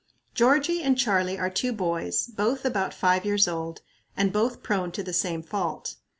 Georgie and Charlie are two boys, both about five years old, and both prone to the same fault.